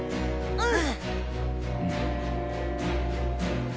うん。